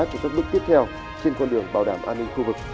cho các bước tiếp theo trên con đường bảo đảm an ninh khu vực